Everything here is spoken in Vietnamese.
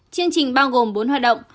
chương trình bao gồm bốn hoạt động